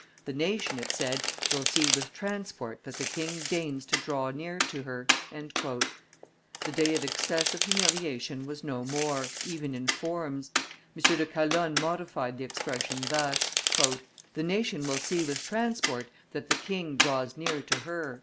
"The nation," it said, "will see with transport that the king deigns to draw near to her." The day of excessive humiliation was no more, even in forms; M. de Calonne modified the expression thus: "The nation will see with transport that the king draws near to her."